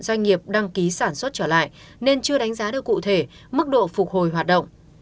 doanh nghiệp đăng ký sản xuất trở lại nên chưa đánh giá được cụ thể mức độ phục hồi hoạt động